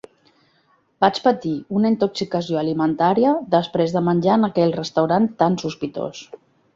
Vaig patir una intoxicació alimentària després de menjar en aquell restaurant tant sospitós.